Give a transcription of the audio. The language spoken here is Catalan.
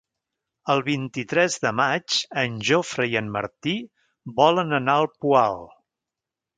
El vint-i-tres de maig en Jofre i en Martí volen anar al Poal.